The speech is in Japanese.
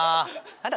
何だ？